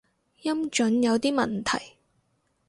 音準有啲問題